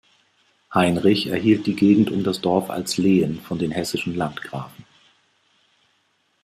Heinrich erhielt die Gegend um das Dorf als Lehen von den hessischen Landgrafen.